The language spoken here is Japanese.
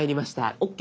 「ＯＫ」